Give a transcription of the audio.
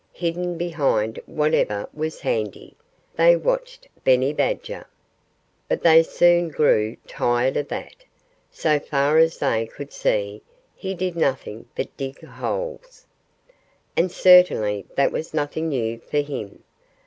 Hidden behind whatever was handy, they watched Benny Badger. But they soon grew tired of that. So far as they could see, he did nothing but dig holes. And certainly that was nothing new for him.